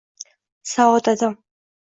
Saodatim